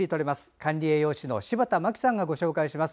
管理栄養士の柴田真希さんがご紹介します。